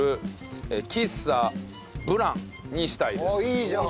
いいじゃん！